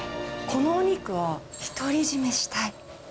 このお肉は独り占めしたい。